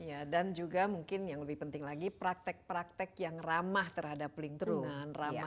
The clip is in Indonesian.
iya dan juga mungkin yang lebih penting lagi praktek praktek yang ramah terhadap lingkungan ramah